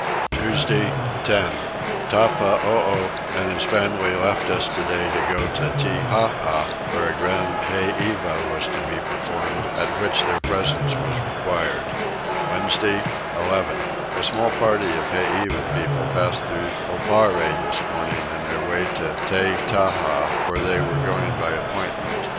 Tuesday 10. Teppahoo and his family left us today to go to Tettaha, where a grand heiva was to be performed, at which their presence was required. Wednesday 11. A small party of heiva people passed through Oparre this morning in their way to Tettaha, where they were going by appointment.